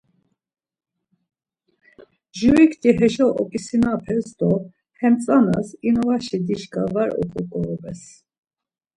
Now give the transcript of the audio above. Jurikti heşo oǩisinapes do hem tzanas inuvaşi dişka var oǩoǩorobes.